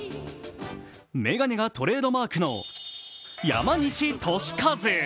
眼鏡がトレードマークの山西利和。